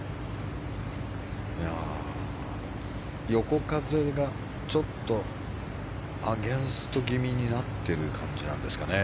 横風がちょっとアゲンスト気味になっている感じなんですかね。